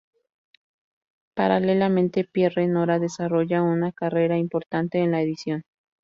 Paralelamente, Pierre Nora desarrolla una carrera importante en la edición.